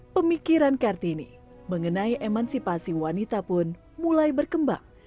pemikiran kartini mengenai emansipasi wanita pun mulai berkembang